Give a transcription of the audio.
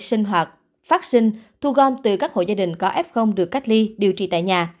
sinh hoạt phát sinh thu gom từ các hộ gia đình có f được cách ly điều trị tại nhà